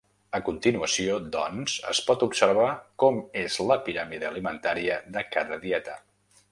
A continuació, doncs, es pot observar com és la piràmide alimentària de cada dieta.